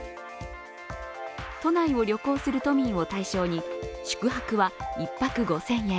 都内を旅行する都民を対象に宿泊は１泊５０００円